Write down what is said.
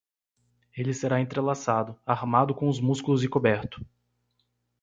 Ele será entrelaçado, armado com os músculos e coberto.